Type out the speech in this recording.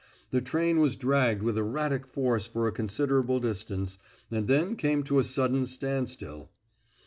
The train was dragged with erratic force for a considerable distance, and then came to a sudden standstill.